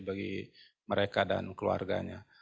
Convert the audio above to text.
bagi mereka dan keluarganya